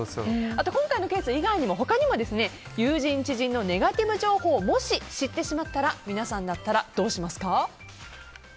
あと今回のケース以外にも友人知人のネガティブ情報をもし知ってしまったら皆さんだったらどうしますか？